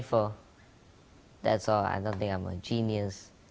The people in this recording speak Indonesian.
itu saja saya tidak berpikir saya seorang jenius